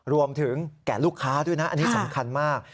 แก่ลูกค้าด้วยนะอันนี้สำคัญมาก